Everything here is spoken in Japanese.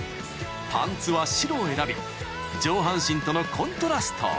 ［パンツは白を選び上半身とのコントラストを］